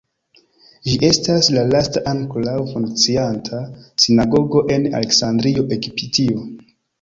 Ĝi estas la lasta ankoraŭ funkcianta sinagogo en Aleksandrio, Egiptio.